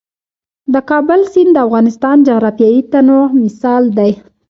د کابل سیند د افغانستان د جغرافیوي تنوع مثال دی.